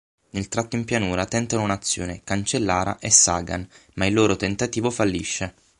Nel tratto in pianura tentano un'azione Cancellara e Sagan, ma il loro tentativo fallisce.